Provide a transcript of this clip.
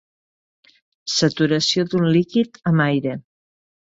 Saturació d'un líquid amb aire.